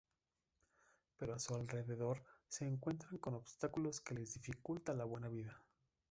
Pero a su alrededor se encuentran con obstáculos que les dificulta la buena vida.